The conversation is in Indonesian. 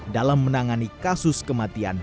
dalam menangani kasus kematian